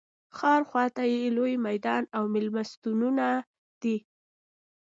ښار خواته یې لوی میدان او مېلمستونونه دي.